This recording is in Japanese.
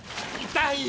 痛い！